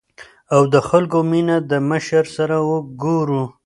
او د خلکو مينه د مشر سره ګورو ـ